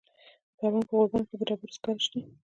د پروان په غوربند کې د ډبرو سکاره شته.